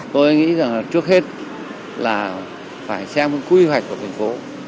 tôi nghĩ rằng trước hết là phải xem quy hoạch của thành phố